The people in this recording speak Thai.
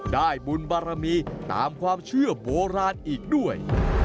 ได้บุญบารมีตามความเชื่อโบราณอีกด้วย